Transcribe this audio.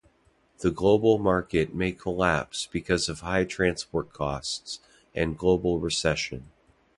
The global market may collapse because of high transport costs and global recession.